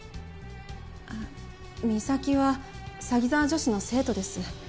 あっ岬は鷺沢女子の生徒です。